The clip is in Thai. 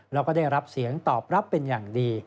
แล้วก็ได้รับเสียงตอบรับเป็นอย่างดี